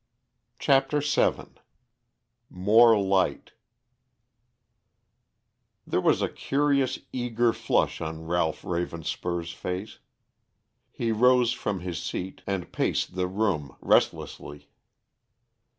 CHAPTER VII MORE LIGHT There was a curious, eager flush on Ralph Ravenspur's face. He rose from his seat and paced the room restlessly.